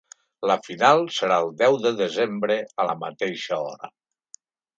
La final serà el deu de desembre a la mateixa hora.